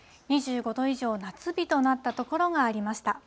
２５度以上の夏日となった所がありました。